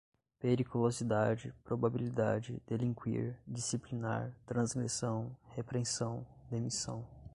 periculosidade, probabilidade, delinquir, disciplinar, transgressão, repreensão, demissão